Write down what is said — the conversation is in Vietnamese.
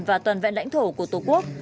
và toàn vẹn lãnh thổ của tổ quốc